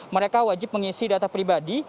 mereka wajib mengisi data pribadi